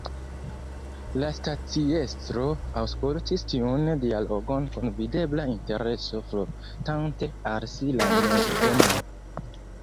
La staciestro aŭskultis tiun dialogon kun videbla intereso, frotante al si la mentonon.